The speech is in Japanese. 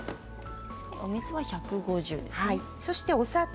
お水は１５０ですね。